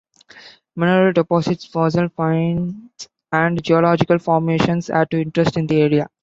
Mineral deposits, fossil finds and geological formations add to interest in the area.